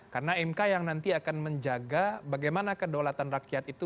karena mk yang nanti akan menjaga bagaimana kedaulatan rakyat itu